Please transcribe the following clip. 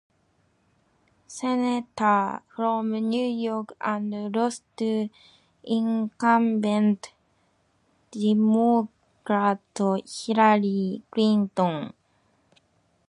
Senator from New York and lost to incumbent Democrat Hillary Clinton.